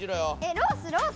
ロースロース。